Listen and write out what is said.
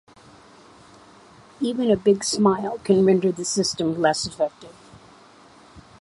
Even a big smile can render the system less effective.